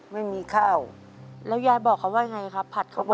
ไม่มีข้าวแล้วยายบอกเขาว่ายังไงครับผัดเขาบอก